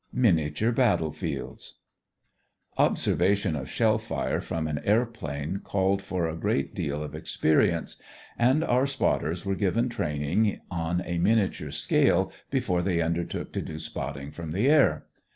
MINIATURE BATTLE FIELDS Observation of shell fire from an airplane called for a great deal of experience, and our spotters were given training on a miniature scale before they undertook to do spotting from the air.